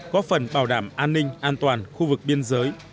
góp phần bảo đảm an ninh an toàn khu vực biên giới